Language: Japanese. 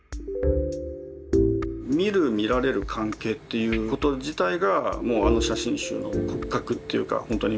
見る見られる関係っていうこと自体がもうあの写真集の骨格というか本当に背骨になってる。